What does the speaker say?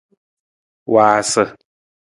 Waasa.